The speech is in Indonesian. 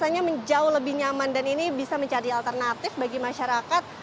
maka itu memang jauh lebih nyaman dan ini bisa menjadi alternatif bagi masyarakat